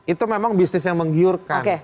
itu memang bisnis yang menggiurkan